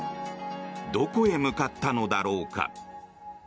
どこへ向かったのだろうか。